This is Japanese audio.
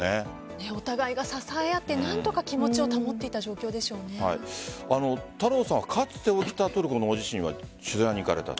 お互いが支えあって何とか気持ちを保っていた太郎さんはかつて起きたトルコの大地震は取材に行かれたと。